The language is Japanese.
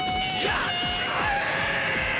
やっちまえ！